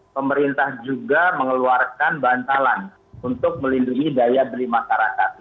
pemerintah juga mengeluarkan bantalan untuk melindungi daya beli masyarakat